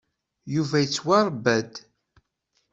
Yuba yettwaṛebba-d.